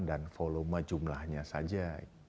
dan volume jumlahnya saja